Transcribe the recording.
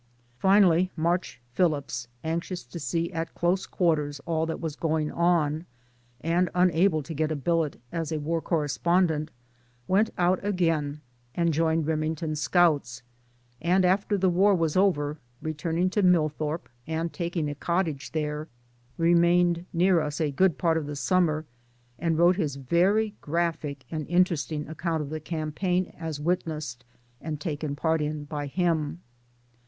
Finally March Phillipps, anxious to see at close quarters all that was going on and unable to get a billet as war correspondent, went out again and joined Rimington's Scouts ; and after the war was over returning to Millthorpe and taking a cottage there remained near us a good part of the summer and wrote his very graphic and interesting account of the campaign as witnessed and taken part in by him.